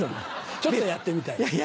ちょっとやってみたい。